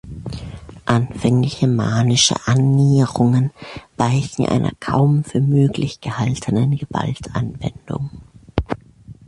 Anfängliche manische Annäherungen weichen einer kaum für möglich gehaltenen Gewaltanwendung.